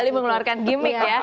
kembali mengeluarkan gimmick ya